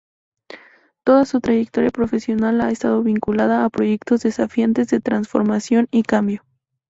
Toda su trayectoria profesional ha estado vinculada a proyectos desafiantes de transformación y cambio.